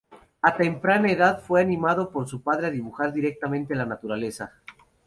A temprana edad fue animado por su padre a dibujar directamente la naturaleza.